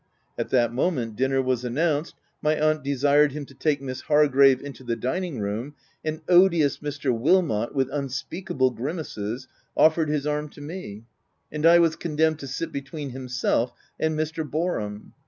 At that moment dinner was announced, my aunt desired him to take Miss Hargrave into* the dining room, and odious Mr. Wilmot, with 324 THE TENANT unspeakable grimaces, offered his arm to me ; and I was condemned to sit between himself and Mr. Boarham.